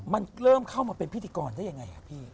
มันเริ่มเข้ามาเป็นพิธีกรได้ยังไงครับพี่